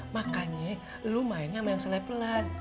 makanya lo mainnya sama yang se levelan